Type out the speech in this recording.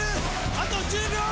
あと１０秒！